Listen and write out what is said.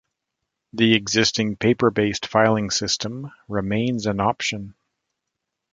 The existing paper based filing system remains an option.